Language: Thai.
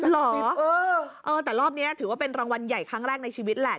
แต่รอบนี้ถือว่าเป็นรางวัลใหญ่ครั้งแรกในชีวิตแหละ